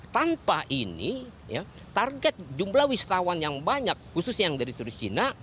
tanpa ini target jumlah wisatawan yang banyak khususnya yang dari turis cina